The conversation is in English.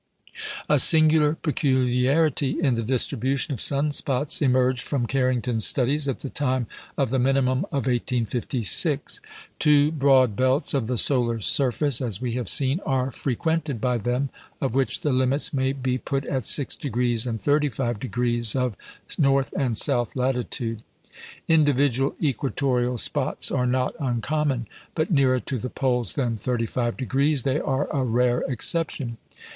A singular peculiarity in the distribution of sun spots emerged from Carrington's studies at the time of the minimum of 1856. Two broad belts of the solar surface, as we have seen, are frequented by them, of which the limits may be put at 6° and 35° of north and south latitude. Individual equatorial spots are not uncommon, but nearer to the poles than 35° they are a rare exception.